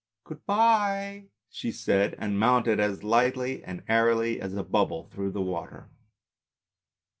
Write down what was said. " Good bye," she said, and mounted as lightly and airily as a bubble through the water.